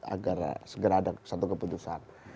agar segera ada satu keputusan